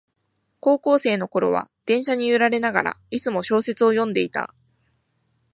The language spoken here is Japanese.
高校生のころは電車に揺られながら、いつも小説を読んでいた